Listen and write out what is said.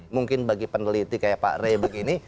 mungkin bagi peneliti kayak pak rey begini